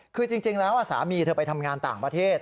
คือจริงแล้วสามีเธอไปทำงานต่างประเทศ